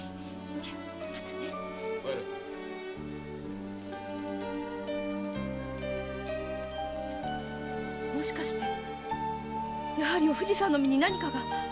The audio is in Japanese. じゃまたね。もしかしてやはりお藤さんの身に何かが？